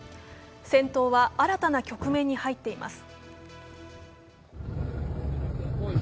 戦闘は新たな局面に入っています。